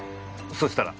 そしたら？